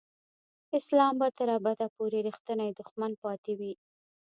اسلام به تر ابده پورې رښتینی دښمن پاتې وي.